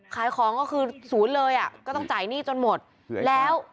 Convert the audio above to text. ขายของก็คือศูนย์เลยอ่ะก็ต้องจ่ายหนี้จนหมดแล้ว